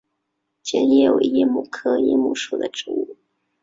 坚桦为桦木科桦木属的植物。